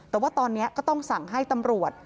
แต่ว่าตอนนี้ก็ต้องสั่งให้ตำรวจ